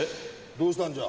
どうしたんじゃ？